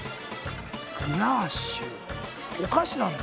グラーシュお菓子なんだ。